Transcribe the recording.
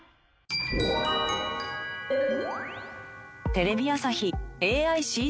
テレビ朝日ＡＩＣＧ